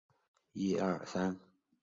其后辈中亦名人辈出。